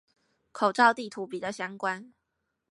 口罩地圖比較相關